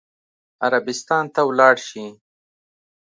عربستان ته ولاړ شي.